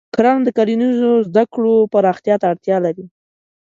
کرنه د کرنیزو زده کړو پراختیا ته اړتیا لري.